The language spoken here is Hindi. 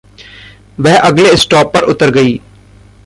वह अगले स्टॉप पर उतर गई।